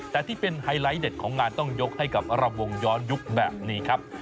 แต่ที่เป็นไฮไลท์เด็ดของงานต้องยกให้กับระวงย้อนยุคแบบนี้ครับ